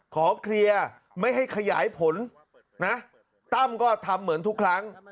ขอเคลียร์ไม่ให้ขยายผลนะตั้มก็ทำเหมือนทุกครั้ง